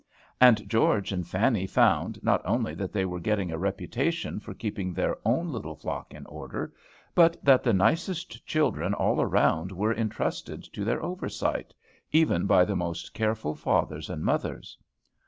And George and Fanny found, not only that they were getting a reputation for keeping their own little flock in order, but that the nicest children all around were intrusted to their oversight, even by the most careful fathers and mothers.